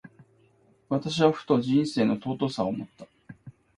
私はふと、人生の儚さを思った。